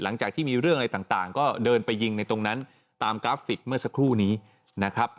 หลังจากที่มีเรื่องอะไรต่างก็เดินไปยิงในตรงนั้นตามกราฟิกเมื่อสักครู่นี้นะครับ